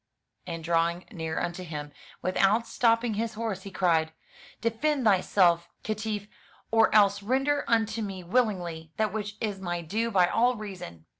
And, drawing near unto him, without stopping his horse, he cried: "Defend thyself, caitiff! or else render unto me willingly that which is my due by all reason."